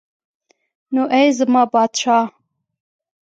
نو ای زما پادشاه.